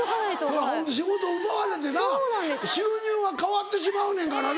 ホント仕事奪われてな収入が変わってしまうねんからな。